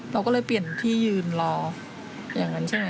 เราก็เลยเปลี่ยนที่ยืนรออย่างนั้นใช่ไหม